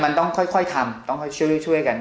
มันต้องค่อยทำต้องค่อยช่วยกัน